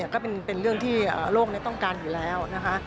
ก็เป็นเรื่องที่โลกต้องการอยู่แล้วนะคะ